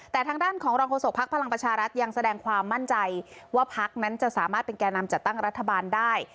แต่ทางด้านของรองโฆษกภักดิ์พลังประชารัฐยังแสดงความมั่นใจว่าพักนั้นจะสามารถเป็นแก่นำจัดตั้งรัฐบาลได้